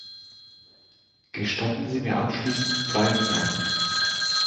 Gestatten Sie mir abschließend drei Bemerkungen.